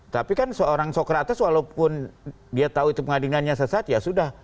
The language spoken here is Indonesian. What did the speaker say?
tapi kan seorang sokrates walaupun dia tahu itu pengadilannya sesat ya sudah